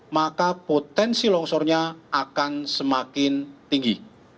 maka potensi longsornya akan semakin tinggi